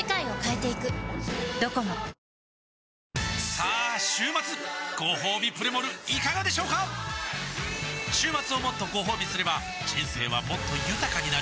さあ週末ごほうびプレモルいかがでしょうか週末をもっとごほうびすれば人生はもっと豊かになる！